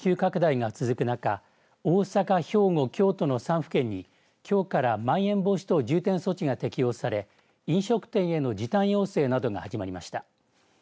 新型コロナウイルスの感染の急拡大が続く中大阪、兵庫、京都の３府県にきょうからまん延防止等重点措置が適用され飲食店への時短要請などが始まりました。